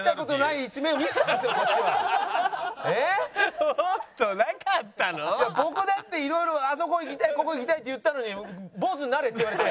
いや僕だっていろいろあそこ行きたいここ行きたいって言ったのに坊主になれって言われて。